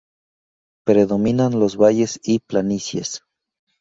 Predominan los valles y planicies.